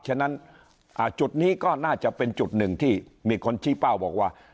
ฉะนั้นจุดนี้ก็น่าจะเป็นจุดหนึ่งที่มีคนชี้เป้าบอกว่า